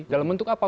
dalam bentuk apa